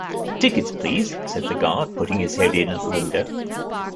‘Tickets, please!’ said the Guard, putting his head in at the window.